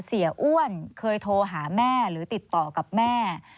เสียอ้วนเคยโทรหาแม่หรือติดต่อกับแม่